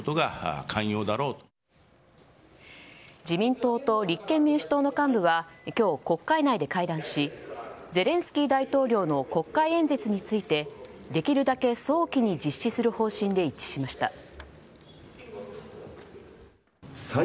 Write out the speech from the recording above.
自民党と立憲民主党の幹部は今日、国会内で会談しゼレンスキー大統領の国会演説についてできるだけ早期に実施する方針で一致しました。